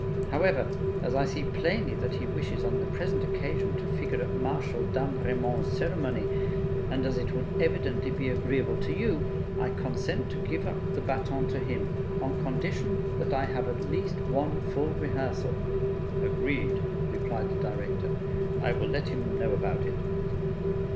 However, as I see plainly that he wishes on the present occasion to figure at Marshal Damrémont's ceremony, and as it would evidently be agreeable to you, I consent to give up the baton to him, on condition that I have at least one full rehearsal." "Agreed," replied the Director; "I will let him know about it."